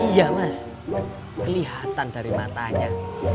iya mas kelihatan dari matanya